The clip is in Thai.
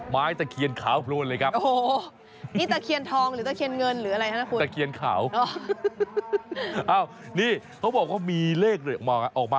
ไม้ตะเคียนขาวอีกเรื่องเลยครับโอ้